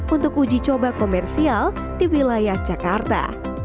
untuk uji coba komersial di wilayah jakarta